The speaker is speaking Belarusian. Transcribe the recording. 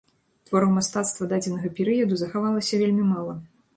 Твораў мастацтва дадзенага перыяду захавалася вельмі мала.